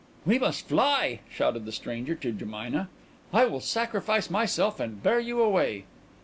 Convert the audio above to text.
"We must fly," shouted the stranger to Jemina. "I will sacrifice myself and bear you away."